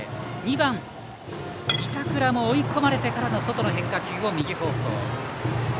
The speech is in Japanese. ２番、板倉も追い込まれてから外の変化球を右方向。